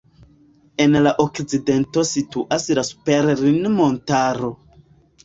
En la okcidento situas la Sperrin-montaro.